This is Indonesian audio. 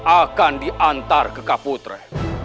akan diantar ke kaputre